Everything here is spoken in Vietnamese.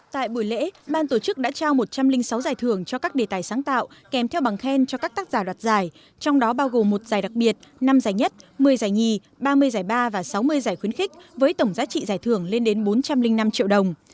tại buổi lễ ban tổ chức đã trao một trăm linh sáu giải thưởng cho các đề tài sáng tạo kèm theo bằng khen cho các tác giả đoạt giải trong đó bao gồm một giải đặc biệt năm giải nhất một mươi giải nhì ba mươi giải ba và sáu mươi giải khuyến khích với tổng giá trị giải thưởng lên đến bốn trăm linh năm triệu đồng